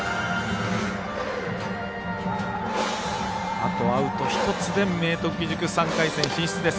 あとアウト１つで明徳義塾、３回戦進出です。